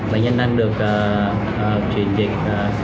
bệnh nhân đang được truyền dịch